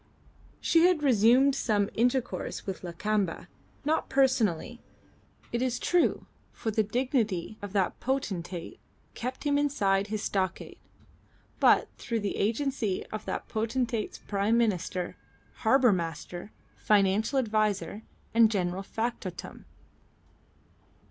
She had resumed some intercourse with Lakamba, not personally, it is true (for the dignity of that potentate kept him inside his stockade), but through the agency of that potentate's prime minister, harbour master, financial adviser, and general factotum.